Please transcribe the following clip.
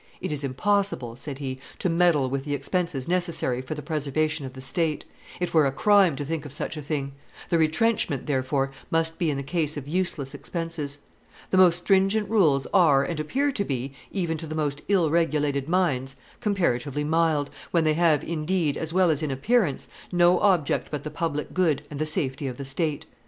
"It is impossible," he said, "to meddle with the expenses necessary for the preservation of the state; it were a crime to think of such a thing. The retrenchment, therefore, must be in the case of useless expenses. The most stringent rules are and appear to be, even to the most ill regulated minds, comparatively mild, when they have, in deed as well as in appearance, no object but the public good and the safety of the state.